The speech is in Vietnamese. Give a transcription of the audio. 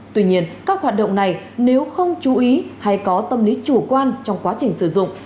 tuy nhiên các hoạt động này nếu không chú ý hay có tâm lý chủ quan trong quá trình sử dụng